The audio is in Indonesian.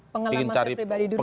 pengalaman saya pribadi dulu